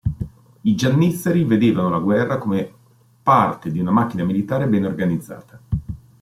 I Giannizzeri vedevano la guerra come parte di una macchina militare ben organizzata.